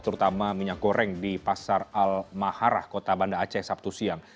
terutama minyak goreng di pasar al maharah kota banda aceh sabtu siang